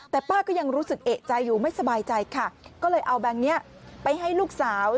แต่ป้าก็ยังรู้สึกเอกใจอยู่ไม่สบายใจค่ะก็เลยเอาแบงค์นี้ไปให้ลูกสาว